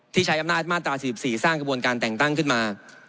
ใช้อำนาจมาตรา๔๔สร้างกระบวนการแต่งตั้งขึ้นมา